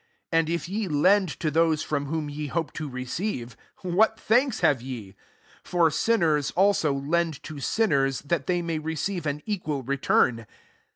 i And if 76 lend to t/ioae from ham ye hope to receive, what itmks have ye ? for sinners, ao^ lend to sinners, that they ay receive an equal return.